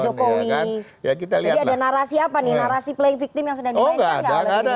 jadi ada narasi apa nih narasi playing victim yang sedang dimainkan nggak